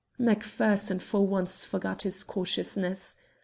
Macpherson for once forgot his cautiousness.